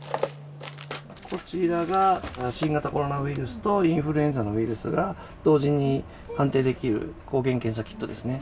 こちらが新型コロナウイルスとインフルエンザのウイルスが同時に判定できる抗原検査キットですね。